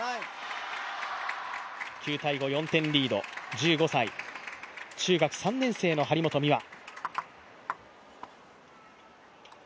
１５歳、中学３年生の張本美和。